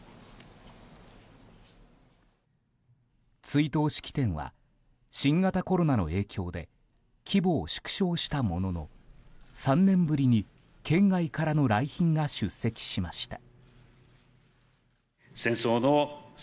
追悼式典は新型コロナの影響で規模を縮小したものの３年ぶりに県外からの来賓が出席しました。